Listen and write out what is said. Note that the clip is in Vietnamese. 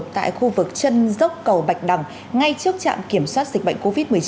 tại khu vực chân dốc cầu bạch đằng ngay trước trạm kiểm soát dịch bệnh covid một mươi chín